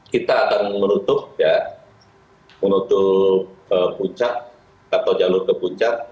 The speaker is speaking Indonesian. kita akan menutup puncak atau jalur ke puncak